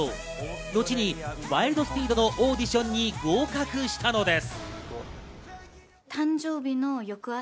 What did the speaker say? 後に『ワイルド・スピード』のオーディションに合格したのです。